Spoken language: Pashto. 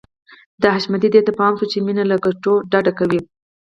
د حشمتي دې ته پام شو چې مينه له کتو ډډه کوي.